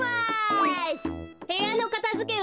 へやのかたづけは？